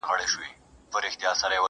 په دربار كي جنرالانو بيعت وركړ،